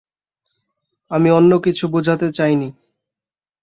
আমি অন্য কিছু বুঝাতে চাইনি।